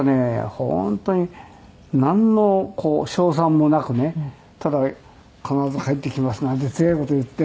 本当になんの勝算もなくねただ必ず帰ってきますなんて強い事言って。